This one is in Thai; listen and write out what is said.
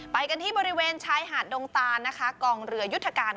ไปกันที่บริเวณชายหาดดงตานนะคะกองเรือยุทธการ